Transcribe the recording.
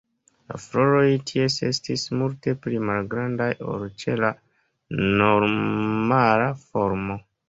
La floroj tie estis multe pli malgrandaj ol ĉe la normala formo.